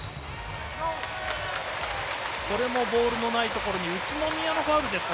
ボールのないところに宇都宮のファウルですか。